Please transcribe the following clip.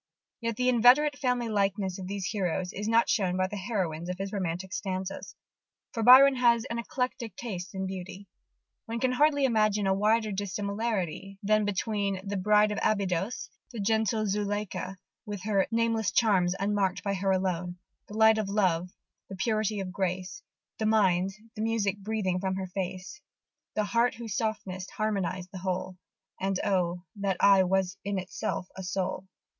Yet the inveterate family likeness of these heroes is not shared by the heroines of his romantic stanzas: for Byron has an eclectic taste in beauty. One can hardly imagine a wider dissimilarity than between the Bride of Abydos, the gentle Zuleika, with her "Nameless charms unmark'd by her alone The light of love, the purity of grace, The mind, the music breathing from her face, The heart whose softness harmonised the whole, And oh! that eye was in itself a Soul."